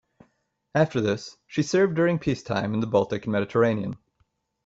After this, she served during peacetime in the Baltic and Mediterranean.